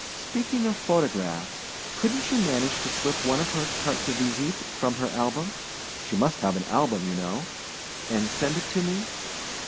Speaking of photographs, couldnât you manage to slip one of her cartes de visite from her album she must have an album, you know and send it to me?